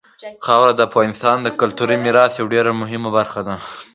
خاوره د افغانستان د کلتوري میراث یوه ډېره مهمه برخه ده.